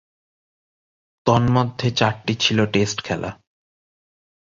তন্মধ্যে চারটি ছিল টেস্ট খেলা।